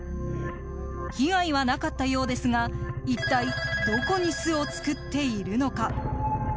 被害はなかったようですが一体どこに巣を作っているのか。